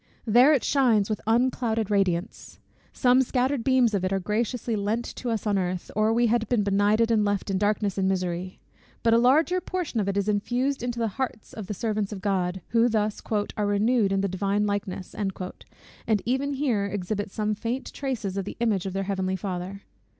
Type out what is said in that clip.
There it shines with unclouded radiance. Some scattered beams of it are graciously lent to us on earth, or we had been benighted and left in darkness and misery; but a larger portion of it is infused into the hearts of the servants of God, who thus "are renewed in the divine likeness," and even here exhibit some faint traces of the image of their heavenly Father.